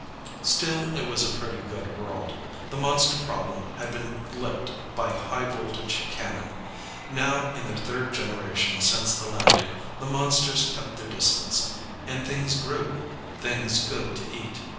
Still it was a pretty good world. The monster problem had been licked by high voltage cannon. Now in their third generation since the landing, the monsters kept their distance. And things grew things good to eat.